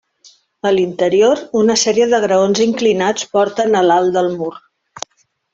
A l'interior, una sèrie de graons inclinats porten a l'alt del mur.